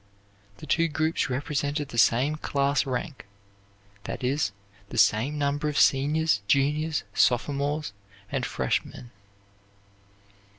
The two groups represented the same class rank; that is, the same number of seniors, juniors, sophomores, and freshmen."